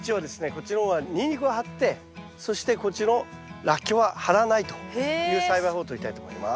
こっちの方はニンニクは張ってそしてこっちのラッキョウは張らないという栽培法をとりたいと思います。